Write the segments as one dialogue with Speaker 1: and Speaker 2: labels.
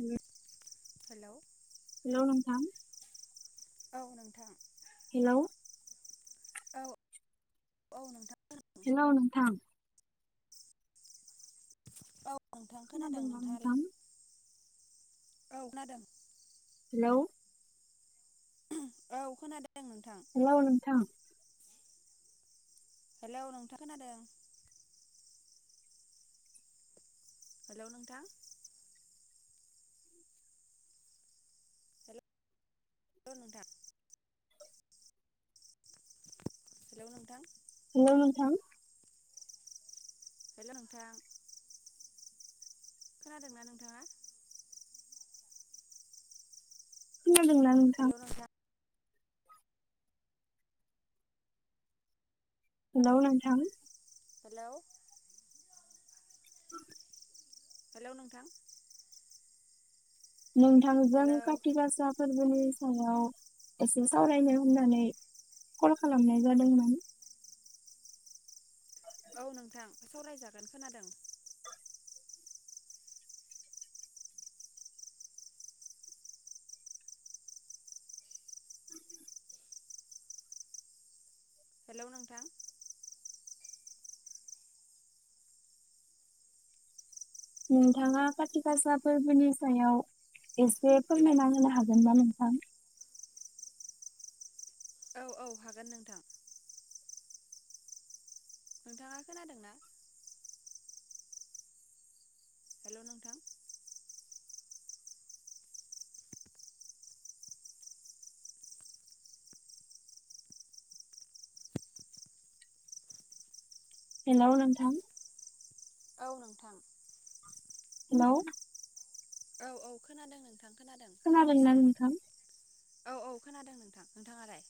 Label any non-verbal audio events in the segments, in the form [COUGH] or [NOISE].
Speaker 1: Hello
Speaker 2: hello
Speaker 1: नोंथां
Speaker 2: औ नोंथां
Speaker 1: हेलौ
Speaker 2: औ औ नोंथां खोनादों
Speaker 1: औ नोंथां
Speaker 2: औ नोंथां खोनादों
Speaker 1: खोनादोंना
Speaker 2: नोंथा
Speaker 1: नोंथां
Speaker 2: [UNINTELLIGIBLE] औ खोनादों
Speaker 1: हेलौ
Speaker 2: औ खोनादों नोंथां
Speaker 1: हेलौ नोंथां
Speaker 2: हेलौ नोंथां खोनादों हेलौ नोंथां [UNINTELLIGIBLE] औ नोंथां हेलौ नोंथां
Speaker 1: हेलौ नोंथां
Speaker 2: हेलौ नोंथां खोनादोंना नोंथाङा
Speaker 1: खोनादोंना नोंथां हेलै नोंथां
Speaker 2: हेलै हेलै नोंथां
Speaker 1: नोंथांजों
Speaker 2: हेलौ
Speaker 1: कारथि गासा फोरबोनि आसामाव एसे सावरायनो होननानै कल खालामनाय जादोंमोन
Speaker 2: औ नोंथां सावरायजागोन खोनादों हेल' नोंथां
Speaker 1: नोंथाङा खााथि गासा फोरबोनि सायाव एसे फोरमायना होनो हागोनना नोंथां
Speaker 2: औ औ हागोन नोंथां नोंथाङा खोनादोंना हेल' नोंथां
Speaker 1: हेल' नोंथां
Speaker 2: औ नोंथां
Speaker 1: हेलै
Speaker 2: औ औ खोनादों नोंथां खोनादों
Speaker 1: खोनादोंना
Speaker 2: खोनागासिनो
Speaker 1: नोंथां
Speaker 2: आं औ औ खोनादों नोंथां नोंथाङालाय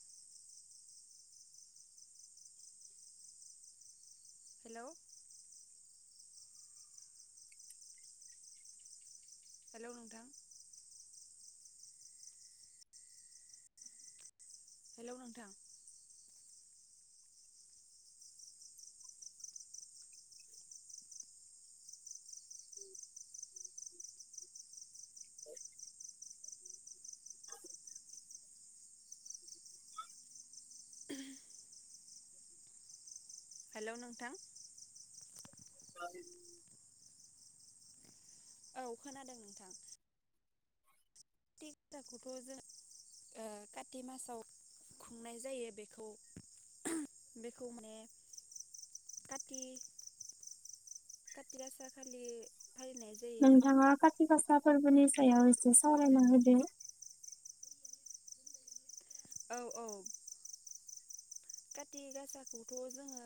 Speaker 2: हेल हेल नोंथां हेलौ नोंथां
Speaker 1: ब [INAUDIBLE] [INAUDIBLE]
Speaker 2: हेल नोंथां
Speaker 1: थ [INAUDIBLE]
Speaker 2: औ खोनादों नोंथां फुजाखौथ जों कारत मासाव खुंनाय जायो बेखौ बेखौ माने खाथि खाथि गासा खालि फालिनाय जायो
Speaker 1: नोंथाङा खाथि गासा फोरबोनि सायाव एसे सावरायना होदो
Speaker 2: औ औ खाथि गासाखौथ जोङो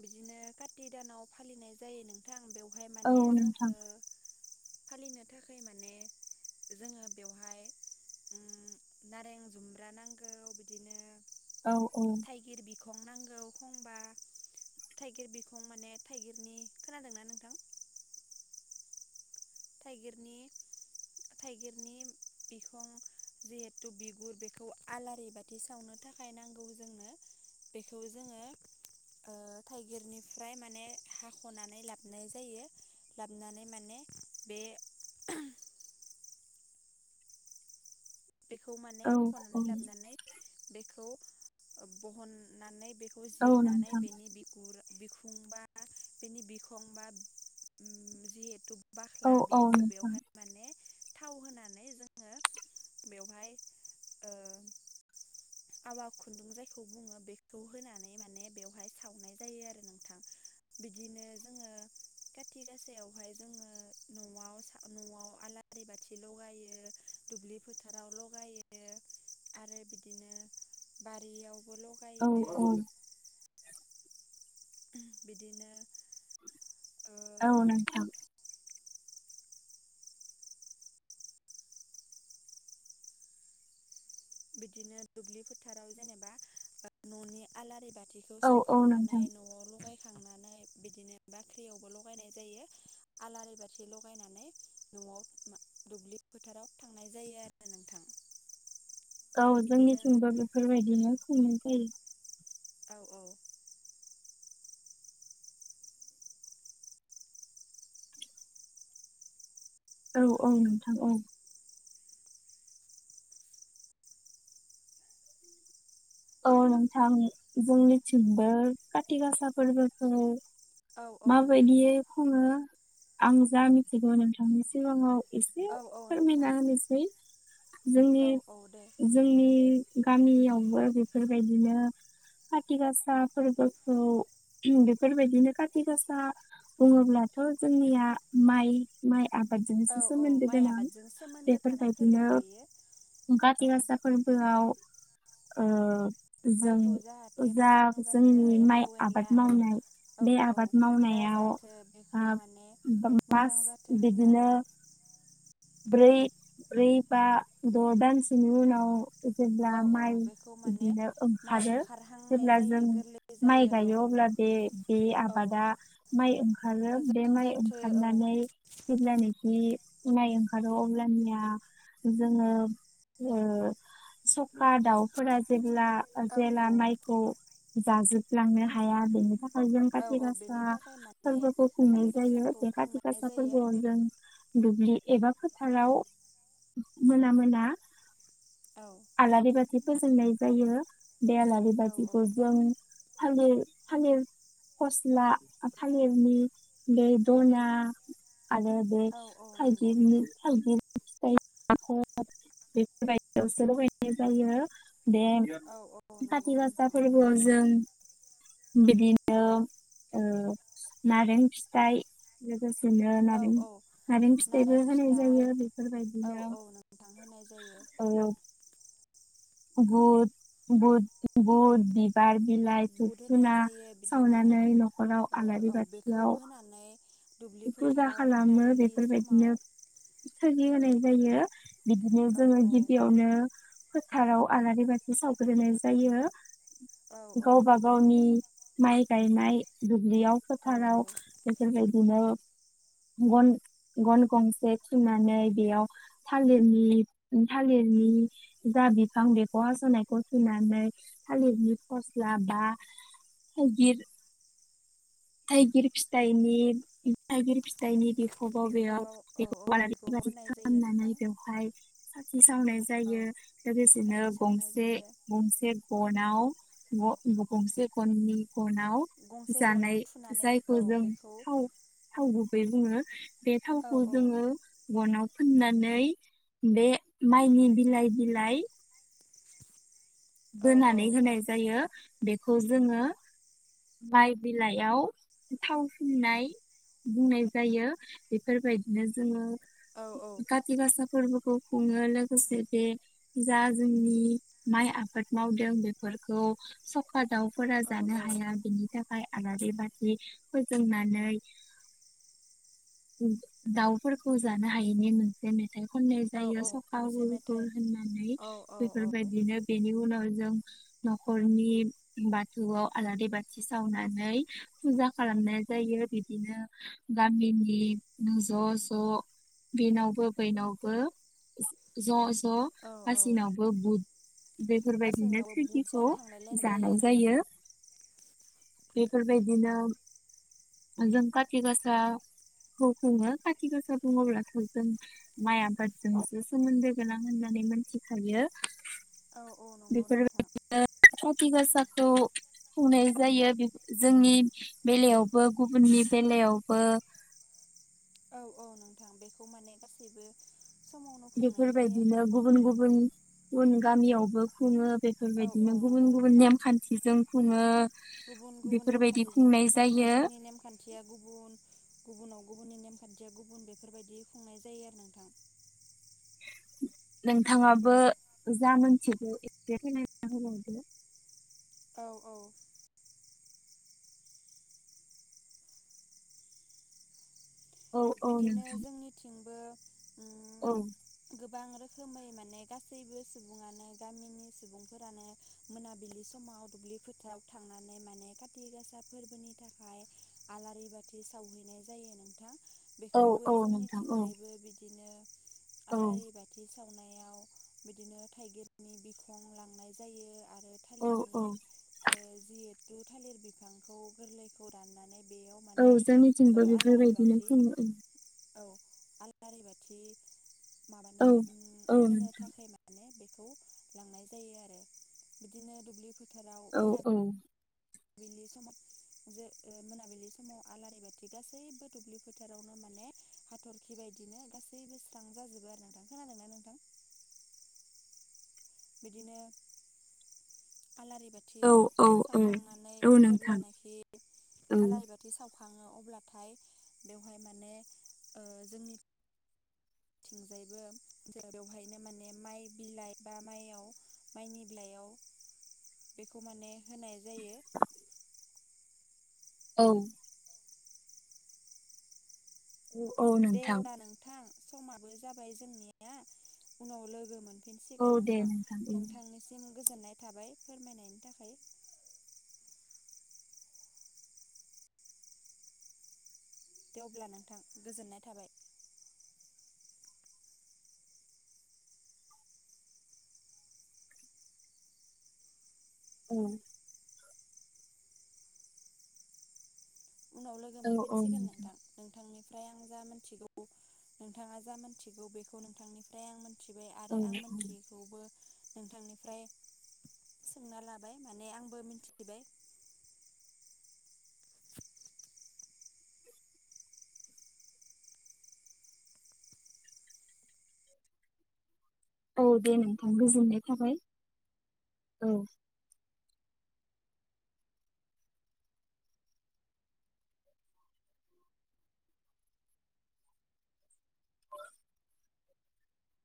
Speaker 2: बिदिनो खाथि दानाव फालिनाय जायो नोंथां बेव हाय
Speaker 1: औ
Speaker 2: माने
Speaker 1: नोंथां
Speaker 2: जोंङो फालिनो थाखाय माने जोङो बेवहाय उम नारें जुम्ब्रा नांगौ बिदिनो
Speaker 1: औ औ
Speaker 2: थाइगिर बिखं नांगौ खंबा थाइगिर बिखं माने थाइगिरनि खोनादोंना नोंथां? थाइगिरनि थाइगिरनि बिखं जिहेथु बिगुर बेखौ आलारि बाथि सावनो था थाखाय नांगौ जोंनो बेखौ जोङो ओ थाइगिरनिफ्राय माने हाख'नानै लाबाय जायो लाबोनानै माने बे बेखौ माने
Speaker 1: औ
Speaker 2: हाख'नानै
Speaker 1: औ
Speaker 2: लाबोनानै बेखौ बहननानै बे खौ
Speaker 1: औ
Speaker 2: जिरनानै
Speaker 1: नोंथां
Speaker 2: बेनि बिगुर बिखुं बा बेनि बिखं बा उम जिहेथु
Speaker 1: औ
Speaker 2: बाख्ला
Speaker 1: औ
Speaker 2: बिगुर
Speaker 1: नोंथां
Speaker 2: बेवहाय माने थाव होनानै जोङो बेवहाय ओ आवा खुन्दुं जायखौ बुङो बेखौ होनानै माने बेवहाय सावनाय जायो आरो नोंथां। बिदिनो जोङो खाथि गासायावहाय जोङो नवाव सा नवाव आला आरि बाथि लगायो दुब्लि फोथाराव लगायो आरो बिदिनो बारियाव
Speaker 1: औ औ
Speaker 2: उम बिदिनो ओ
Speaker 1: औ नोंथां
Speaker 2: बिदिनो दुब्लि फोथाराव जेनेबा ओ न'नि आलारि बाथ थिखौ
Speaker 1: औ औ
Speaker 2: सावखांनानै
Speaker 1: नोंथां
Speaker 2: न'वाव लगाय खांनानै बिदिनो बाख्रियावबो लगायनाय जायो आलारि बाथि लायनानै न'वाव दुब्लि फोथाराव थांनाय जायो आरो नोंथां।
Speaker 1: औ
Speaker 2: बिदिनो
Speaker 1: जोंनिथिंबो बेफोरबायदिनो खुंनाय जायो।
Speaker 2: औ औ
Speaker 1: औ औ नोंथां औ औ नोंथां जोंनिथिंबो खाथि गासा फोरबो खुङो।
Speaker 2: औ औ नोंथां
Speaker 1: माबायदियै खुङो आं जा मिथिगौ नोंथांनि सिगाङाव एसे
Speaker 2: औ औ नोंथां
Speaker 1: फोरमायना होनोसै जोंनि
Speaker 2: औ औ दे
Speaker 1: जोंनि गामियावबो बेफोरबायदिनो खाथि गासा फोरबोखौ उम बेफोरबायदिनो खाथि गासा बुङोब्लाथ' जोंनिया माइ माइ आबादजोंसो
Speaker 2: औ औ
Speaker 1: सोमोन्दो
Speaker 2: माइ
Speaker 1: गोनां
Speaker 2: आबादजों सोमोन्दो थानाय
Speaker 1: बेफोरबायदिनो
Speaker 2: फोरबो बेयो
Speaker 1: खाथि
Speaker 2: औ
Speaker 1: गासा फोरबोआव ओ जों
Speaker 2: माइखौ जाहाथे
Speaker 1: जा
Speaker 2: मोजां जाथो
Speaker 1: जोंनि माइ
Speaker 2: एम्फौ
Speaker 1: आबाद
Speaker 2: एनला औ
Speaker 1: मावनाय
Speaker 2: औ
Speaker 1: बे
Speaker 2: औ
Speaker 1: आबाद मावनायाव
Speaker 2: दाजाथो बेखौ
Speaker 1: आ
Speaker 2: माने
Speaker 1: बा मास
Speaker 2: मोजां जाथो
Speaker 1: बेदिनो
Speaker 2: होननानै
Speaker 1: [INAUDIBLE] ब्रै ब्रै बा द' दानसेनि उनाव जेब्ला
Speaker 2: औ औ
Speaker 1: माइ
Speaker 2: बेखौ माने
Speaker 1: बिदिनो
Speaker 2: माइ
Speaker 1: ओंखारो
Speaker 2: ओंखारहांनाय
Speaker 1: जेब्ला जों
Speaker 2: जायो गोरलै
Speaker 1: माइ
Speaker 2: जायो औ
Speaker 1: गायो
Speaker 2: औ
Speaker 1: अब्ला बे बे
Speaker 2: औ
Speaker 1: आबादा आ माइ ओंखारो बे
Speaker 2: मोजां
Speaker 1: माइ
Speaker 2: जाथो औ
Speaker 1: ओंखारनानै जेब्लानि दि माइ ओंखारो अब्लानिया जोङो ओ सखा दाउ फोरा जेब्ला ओ
Speaker 2: औ
Speaker 1: जेला
Speaker 2: औ
Speaker 1: माइखौ जाजोबलांनो हाया बेनि था जों
Speaker 2: औ
Speaker 1: काथि
Speaker 2: औ बेनि
Speaker 1: गासा
Speaker 2: थाखाय माने
Speaker 1: फोरबोखौ खुंनाय
Speaker 2: खाथि
Speaker 1: जायो
Speaker 2: गासाखौ
Speaker 1: बे काथि
Speaker 2: खुंनाय
Speaker 1: गासा
Speaker 2: जायो
Speaker 1: फोरबोआव जों दुब्लि एबा फोथाराव मोना मोना
Speaker 2: औ
Speaker 1: आलारि बाथि फोजोंननाय जायो बे आलारि
Speaker 2: औ
Speaker 1: बाथिखौ जों थालिर थालिर फस्ला थालिरनि बेै दना आरो बे
Speaker 2: औ औ नंगौ
Speaker 1: थाइगिरनि
Speaker 2: नोंथां
Speaker 1: थाइगिर फिथाइफोर बेफोरबायदियावसो लुहैनाय जायो बे
Speaker 2: औ औ
Speaker 1: काथि
Speaker 2: नंगौ
Speaker 1: गासा
Speaker 2: नोंथां
Speaker 1: फोरबोआव जों बिदिनो ओ नारें फिथाइ बेसेनो
Speaker 2: औ
Speaker 1: नारें
Speaker 2: औ
Speaker 1: नारें फिथाइबो होनाय जायो
Speaker 2: औ
Speaker 1: बेफोरबायदिनो
Speaker 2: औ नोंथां होनाय जायो
Speaker 1: औ बुद बुद बुद दि बार बिलाइ धुुब
Speaker 2: बुट होनाय
Speaker 1: धुना
Speaker 2: जायो बिदिनो
Speaker 1: सावनानै न'खराव
Speaker 2: ओ
Speaker 1: आलारि
Speaker 2: औ बेखौ
Speaker 1: बाथियाव
Speaker 2: होनानै दुब्लि
Speaker 1: फुजा
Speaker 2: फोथाराव मोनाबिलि समाव
Speaker 1: सोरजि
Speaker 2: औ
Speaker 1: होनाय जायो बिदिनो
Speaker 2: औ
Speaker 1: जोङो
Speaker 2: औ
Speaker 1: गिबियावनो फोथाराव आलारि बाथि सावग्रोनाय जायो
Speaker 2: औ औ
Speaker 1: गावबा
Speaker 2: नंगौ
Speaker 1: गावनि
Speaker 2: नोंथां
Speaker 1: माइ गायनाय दुब्लियाव
Speaker 2: औ औ
Speaker 1: फोथाराव बेफोरबायदिनो गन गन गंसे थुनानै बेयाव थालिर बि थालिर नि जा बिफां बेखौ हास'नायखौ थुनानै थालिरनि फस्ला बा थाइगिर थाइगिर फिथाइनि थाइगिर फिथाइनि खबाव बेेयाव
Speaker 2: बिखबाव औ औ
Speaker 1: बेखौ आलारि
Speaker 2: बिखबाव
Speaker 1: बाथि
Speaker 2: होनाय जायो
Speaker 1: खालामनानै
Speaker 2: नोंथां
Speaker 1: बेवहाय साथि सावनाय जायो
Speaker 2: औ साथि सावनाय
Speaker 1: गंसे
Speaker 2: जायो
Speaker 1: गंसे न गंसे खननि खनाव
Speaker 2: गंसे गनाव
Speaker 1: जानाय [INAUDIBLE] [UNINTELLIGIBLE]
Speaker 2: थुनानै
Speaker 1: जायखौ
Speaker 2: औ
Speaker 1: जों
Speaker 2: बेखौ
Speaker 1: थाव थाव गुबै बुङो बे
Speaker 2: औ
Speaker 1: थावखौ
Speaker 2: औ
Speaker 1: जोङो गनाव फुननानै बे माइनि बिलाइ बिलाइ
Speaker 2: औ औ
Speaker 1: बोनानै होनाय जायो बेखौ जोङो माय बिलाइयाव थाव फुननाय बुंनाय जायो बेफोरबायदिनो जोङो
Speaker 2: औ
Speaker 1: काति गासा फोरबोखौ खौ खुङो लोगोसे बे जा जोंनि माइ आ आबाद मावदों बेफोरखौ सखा दाउफोरा जानो
Speaker 2: औ औ
Speaker 1: हाया बेनि थाखाय हाय आलारि बाथि फोजोंनानै दाउफोरखौ जानो हायैनि मोनसे मेथाइ होननाय
Speaker 2: औ
Speaker 1: जायो
Speaker 2: औ
Speaker 1: सखा
Speaker 2: मोनसे
Speaker 1: हुर हुर
Speaker 2: मेथाइ
Speaker 1: होननानै
Speaker 2: औ औ औ
Speaker 1: बेफोरबायदिनो बेनि उनाव जों न'खरनि बाथौआव आलारि बाथि सावनानै फुजा खालामनाय जायो बिदिनो गामिनि ज' ज' बेनावबो बैनावबो ज' ज'
Speaker 2: औ औ
Speaker 1: हासिनावबो बुद बेफोरबायदिनो
Speaker 2: गासैनियावबो बुट
Speaker 1: थोरखिखौ
Speaker 2: जानो थांलायलायनाय
Speaker 1: जानाय
Speaker 2: आरो
Speaker 1: जायो
Speaker 2: नोंथां।
Speaker 1: बेफोरबायदिनो जों काति गासा खौ खुङो खाथि गोसा बुङोब्लाथ' जों माइ आबादजोंसो सोमोन्दो गोनां होननानै मोनथिखायो
Speaker 2: औ औ नंगौ नोंथां
Speaker 1: थ खुंनाय जायो जोंनि बेलायावबो गुबुननि बेलायावबो
Speaker 2: औ औ नोंथां बेखौ माने गासैबो समावनो खुंनाय जायो
Speaker 1: बेफोरबायदिनो गुबुन गुबुन गुबुन गामियावबो खुङो
Speaker 2: औ औ
Speaker 1: बेफोरबायदिनो
Speaker 2: नंगौ
Speaker 1: गुबुन गुबुन
Speaker 2: नोंथां
Speaker 1: नेम खान्थिजों खुङो
Speaker 2: गुबुन गुबुन
Speaker 1: बेफोरबायदि
Speaker 2: नेमखान्थिजों
Speaker 1: खुंनाय
Speaker 2: खुङो
Speaker 1: जायो
Speaker 2: जोंनि नेमखान्थिया गुबुन गुबुनाव गुबुननि नेमखान्थिया गुबुन बेफोरबायदि खुंनाय जायो आरो नोंथां
Speaker 1: [INAUDIBLE] नोंथाङाबो जा मोनथिगौ एसे फोरमायना होलांदो।
Speaker 2: औ औ।
Speaker 1: औ औ
Speaker 2: बिदिनो
Speaker 1: नोंथां
Speaker 2: जोंनिथिंबो उम
Speaker 1: औ।
Speaker 2: गोबां रोखोमै माने गासैबो सुबुङानो गामिनि सुबुंफोरानो मोनाबिलि सम समाव दुब्लि फोथाराव थांनानै माने खाथि गासा फोरबोनि थाखाय आलारि बाथि साव हैनाय जायो नोंथां।
Speaker 1: औ
Speaker 2: बेखौबो
Speaker 1: औ नोंथां औ
Speaker 2: जोंनिथिंजायबो बिदिनो
Speaker 1: औ
Speaker 2: आलारि बाथि साव सावनायाव बिदिनो थाइगिरनि बिखं लांनाय जायो। आरो
Speaker 1: औ
Speaker 2: थालिरनि
Speaker 1: औ
Speaker 2: जिथु थालिर बिफांखौ गोरलैखौ दाननानै बेयाव
Speaker 1: औ
Speaker 2: माने
Speaker 1: जोंनिथिंबो
Speaker 2: ओ आलारि
Speaker 1: बेफोरबायदिनो
Speaker 2: बाथि
Speaker 1: खुङो।
Speaker 2: औ आलारि बाथि माबानो
Speaker 1: औ
Speaker 2: उम होनो थाखाय माने बे खौ लांनाय जायो आरो बिदिनो दुब्लि फोथाराव
Speaker 1: औ औ।
Speaker 2: मोनाबिलि समाव जो ओ आलारि बाथि गासैबो दुब्लि फोथारावनो मान माने हाथरखि बायदिनो गासैबो स्रां जाजोबो आरो नोंथां। खोनादोंना नोंथां?
Speaker 1: [INAUDIBLE]
Speaker 2: बिदिनो आलारि बाथि
Speaker 1: औ
Speaker 2: सावखांनानै
Speaker 1: औ
Speaker 2: जेब्ला
Speaker 1: नोंथां
Speaker 2: नाखि
Speaker 1: औ
Speaker 2: आलारि बाथि साव खाङो अब्लाथाय बेवहाय माने ओ जोंनि थिंजायबो ज बेवहायनो माने माइ बिलाइ बा माइयाव माइनि बिलाइआव
Speaker 1: [INAUDIBLE]
Speaker 2: बेखौ माने होनाय जायो।
Speaker 1: औ। औ नोंथां औ
Speaker 2: दे
Speaker 1: नोंथां
Speaker 2: अब्ला नोंथां समाबो जाबाय जोंनिया उनाव लोगो मोन
Speaker 1: औ
Speaker 2: फिनसिगोन
Speaker 1: दे
Speaker 2: नोंथां
Speaker 1: औ
Speaker 2: नोंथांनिसिम गोजोननाय थाबाय फोरमायनायनि थाखाय। दे अब्ला नोंथां गोजोननाय थाबाय।
Speaker 1: औ।
Speaker 2: उनाव लोगो
Speaker 1: औ औ
Speaker 2: मोनफिनसिगोन नोंथां नोंथांनि फ्राय आं जा मिथिगौ नोंथाङा जा मोनथिगौ बेखौ नोंथांनिफ्राय आं मिथिबाय
Speaker 1: औ
Speaker 2: आरो आं
Speaker 1: औ
Speaker 2: मिथियैखौबो नोंथांनिफ्राय सोंना लाबाय माने आंबो मिनथिबाय।
Speaker 1: औ दे नोंथां गोजोननाय थाबाय औ।